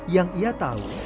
yang ia tahu